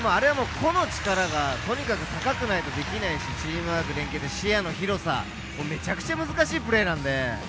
個の力がとにかく高くないとできないし、チームワーク、視野の広さ、めちゃくちゃ難しいプレーなので。